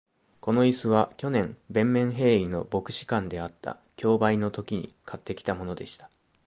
この椅子は、去年、ヴェンメンヘーイの牧師館であった競売のときに買ってきたものでした。